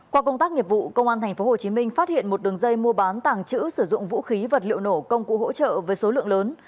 qua công tác nghiệp vụ công an tp hcm phát hiện một đường dây mua bán tàng trữ sử dụng vũ khí vật liệu nổ công cụ hỗ trợ với số lượng lớn